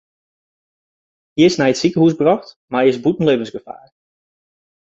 Hy is nei it sikehús brocht mar hy is bûten libbensgefaar.